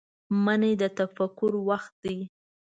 منی د تفکر وخت دی